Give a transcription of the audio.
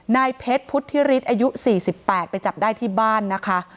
นายเพชรพุทธิฤทธิ์อายุ๔๘ไปจับได้ที่บ้านนะคะ